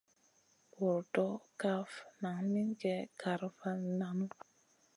Bur NDA ndo kaf nan min gue gara vu nanu.